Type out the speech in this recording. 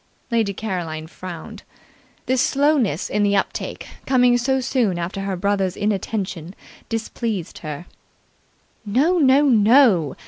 Lady Caroline frowned. This slowness in the uptake, coming so soon after her brother's inattention, displeased her. "No, no, no.